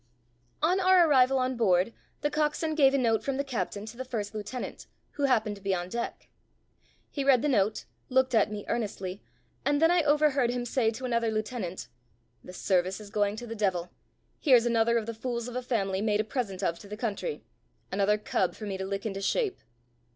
On our arrival on board, the coxswain gave a note from the captain to the first lieutenant, who happened to be on deck. He read the note, looked at me earnestly, and then I overheard him say to another lieutenant, "The service is going to the devil. Here's another of the fools of a family made a present of to the country another cub for me to lick into shape.